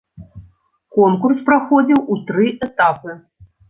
Конкурс праходзіў у тры этапы.